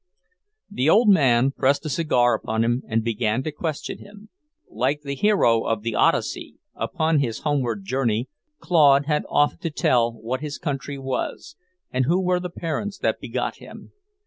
The old man pressed a cigar upon him and began to question him. Like the hero of the Odyssey upon his homeward journey, Claude had often to tell what his country was, and who were the parents that begot him.